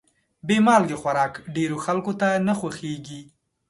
بې مالګې خوراک ډېرو خلکو ته نه خوښېږي.